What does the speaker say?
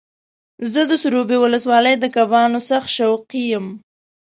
زه د سروبي ولسوالۍ د کبانو سخت شوقي یم.